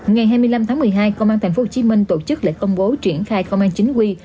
ngày hai mươi năm tháng một mươi hai công an tp hcm tổ chức lễ công bố triển khai công an chính quy